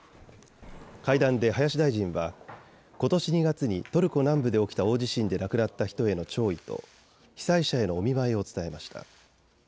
会談で林大臣はことし２月にトルコ南部で起きた大地震で亡くなった人への弔意と被災者へのお見舞いを伝えました。